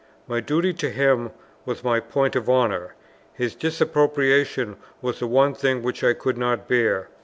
My duty to him was my point of honour; his disapprobation was the one thing which I could not bear.